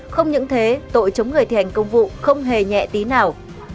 không những thế tội chống người thi hành công vụ không hề nhẹ tí nào